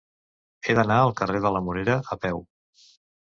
He d'anar al carrer de la Morera a peu.